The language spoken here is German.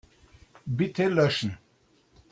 Bitte löschen.